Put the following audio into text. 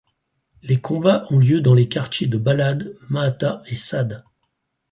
Les combats ont lieu dans les quartiers de Balad, Mahatta et Sad.